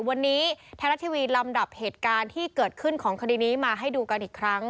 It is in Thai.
วันนี้ไทยรัฐทีวีลำดับเหตุการณ์ที่เกิดขึ้นของคดีนี้มาให้ดูกันอีกครั้ง